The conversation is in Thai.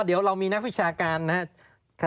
เดี๋ยวเรามีนักวิชาการนะครับ